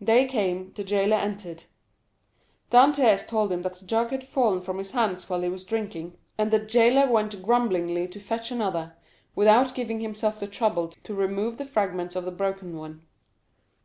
Day came, the jailer entered. Dantès told him that the jug had fallen from his hands while he was drinking, and the jailer went grumblingly to fetch another, without giving himself the trouble to remove the fragments of the broken one.